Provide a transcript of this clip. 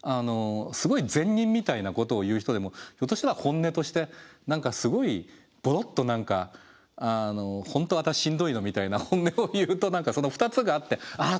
すごい善人みたいなことを言う人でもひょっとしたら本音として何かすごいボロッと何か「本当私しんどいの」みたいな本音を言うとその２つがあってあっ